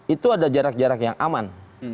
itu ada jarak jarak yang aman